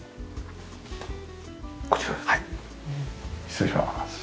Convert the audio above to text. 失礼します。